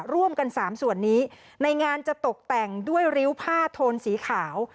ร่วมกันสามส่วนนี้ในงานจะตกแต่งด้วยริ้วผ้าโทนสีขาว